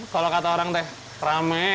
kalau kata orang teh rame